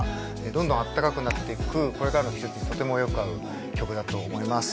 どんどん暖かくなっていくこれからの季節にとてもよく合う曲だと思います。